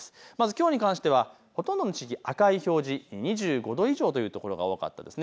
きょうに関してはほとんどの地域、赤い表示、２５度以上という所が多かったです。